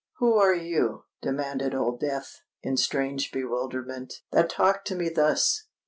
"Who are you," demanded Old Death, in strange bewilderment, "that talk to me thus?"